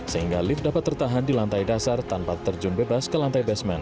sehingga lift dapat tertahan di lantai dasar tanpa terjun bebas ke lantai basement